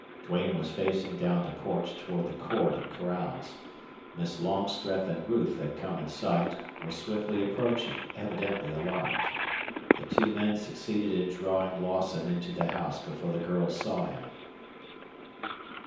Duane was facing down the porch toward the court and corrals. Miss Longstreth and Ruth had come in sight, were swiftly approaching, evidently alarmed. The two men succeeded in drawing Lawson into the house before the girls saw him.